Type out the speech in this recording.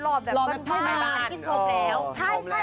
หล่อแบบไทยบ้าน